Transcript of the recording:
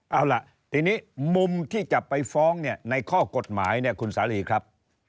เอาล่ะทีนี้มุมที่จะไปฟ้องเนี่ยในข้อกฎหมายเนี่ยคุณสาลีครับ